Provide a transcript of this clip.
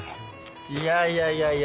いやいやいやいや。